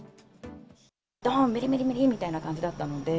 どーん、めりめりめりみたいな感じだったので。